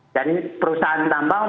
jadi perusahaan tambang